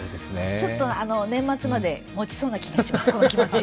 ちょっと年末までもちそうな気がします、この気持ち。